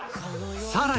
さらに。